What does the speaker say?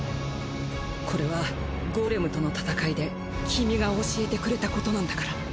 これはゴーレムとの戦いで君が教えてくれたことなんだから。